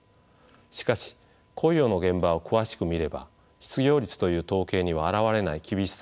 しかし雇用の現場を詳しく見れば失業率という統計には表れない厳しさがあります。